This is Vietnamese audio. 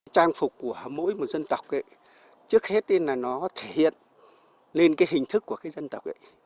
trang phục của mỗi một dân tộc ấy trước hết là nó thể hiện lên cái hình thức của cái dân tộc ấy